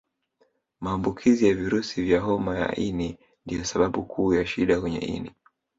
Maambukizi ya virusi vya homa ya ini ndio sababu kuu ya shida kwenye ini